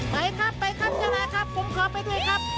ไปครับไปครับเจ้านายครับผมขอไปด้วยครับ